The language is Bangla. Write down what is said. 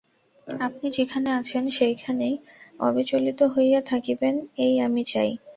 আপনি যেখানে আছেন সেইখানেই অবিচলিত হইয়া থাকিবেন এই আমি চাই।